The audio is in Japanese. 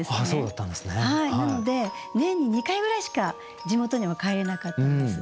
なので年に２回ぐらいしか地元には帰れなかったんです。